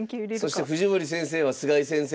そして藤森先生は菅井先生と。